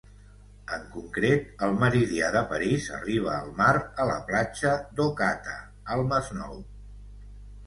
En concret, el meridià de París arriba al mar a la platja d'Ocata, al Masnou.